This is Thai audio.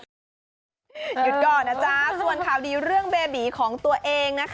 หยุดก่อนนะจ๊ะส่วนข่าวดีเรื่องเบบีของตัวเองนะคะ